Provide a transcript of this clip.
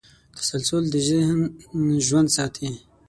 تسلسل د ذهن ژوند ساتي.